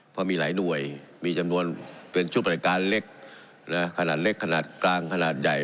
เพราะมีหลายหน่วยมีจำนวนเป็นชุดบริการเล็กขนาดเล็กขนาดกลางขนาดใหญ่